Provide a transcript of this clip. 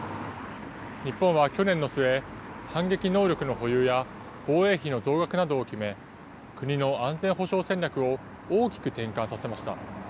日本は去年の末、反撃能力の保有や防衛費の増額などを決め、国の安全保障戦略を大きく転換させました。